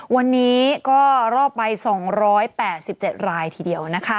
วันนี้ก็รอดไป๒๘๗รายทีเดียวนะคะ